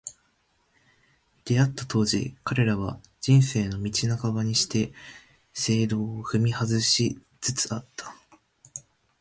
出逢った当時、彼らは、「人生の道半ばにして正道を踏み外し」つつあった。